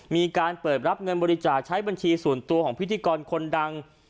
มีการเปิดรับเงินบริจาคใช้บัญชีส่วนตัวของพิธีกรคนดัง